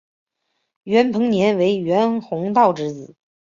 袁彭年为袁宏道之子。